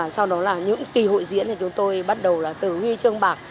sau đó là những kỳ hội diễn thì chúng tôi bắt đầu là từ huy chương bạc